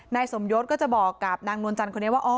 นายสมยศก็จะบอกกับนางนวลจันทร์คนนี้ว่า